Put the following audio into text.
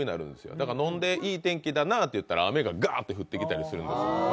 だから飲んでいい天気だなと言ったら雨がガーッと降ってきたりするんです。